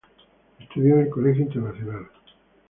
Estudió en el Colegio Internacional.